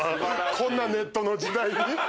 こんなネットの時代に。